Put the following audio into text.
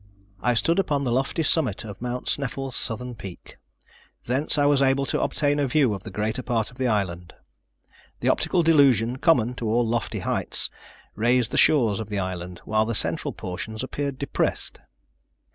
I stood upon the lofty summit of Mount Sneffels' southern peak. Thence I was able to obtain a view of the greater part of the island. The optical delusion, common to all lofty heights, raised the shores of the island, while the central portions appeared depressed.